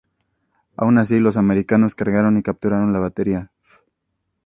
Aun así, los americanos cargaron y capturaron la batería.